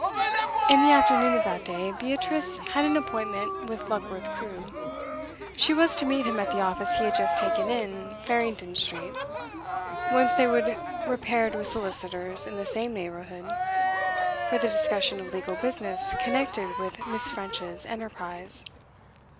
In the afternoon of that day, Beatrice had an appointment with Luckworth Crewe. She was to meet him at the office he had just taken in Farringdon Street, whence they would repair to a solicitor's in the same neighbourhood, for the discussion of legal business connected with Miss. French's enterprise.